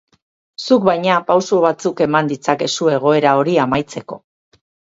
Zuk, baina, pauso batzuk eman ditzakezu egoera hori amaitzeko.